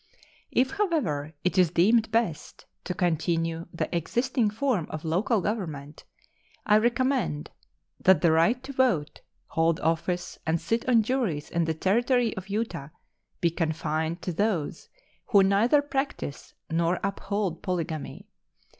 If, however, it is deemed best to continue the existing form of local government, I recommend that the right to vote, hold office, and sit on juries in the Territory of Utah be confined to those who neither practice nor uphold polygamy.